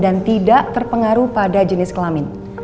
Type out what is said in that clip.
dan tidak terpengaruh pada jenis kelamin